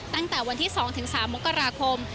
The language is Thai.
ตั้งแต่วันที่๒๓มกราคม